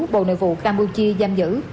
bộ nội vụ campuchia giam giữ